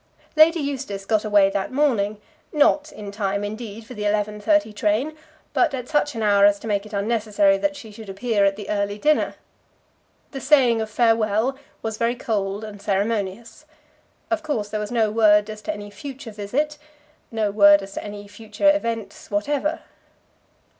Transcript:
Lady Eustace got away that morning, not in time, indeed, for the 11.30 train, but at such an hour as to make it unnecessary that she should appear at the early dinner. The saying of farewell was very cold and ceremonious. Of course, there was no word as to any future visit, no word as to any future events whatever.